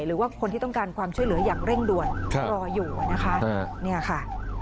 หรือว่าคนที่ต้องการความช่วยเหลืออย่างเร่งด่วนรออยู่นะคะเนี่ยค่ะ